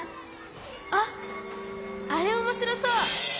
あっあれおもしろそう！